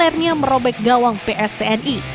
akhirnya merobek gawang pstni